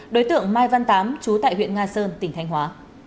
đối tượng mai văn tám trú tại huyện nga sơn tỉnh thanh hóa